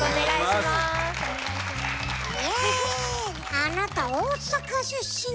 あなた大阪出身なの？